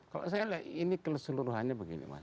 kalau saya lihat ini keseluruhannya begini mas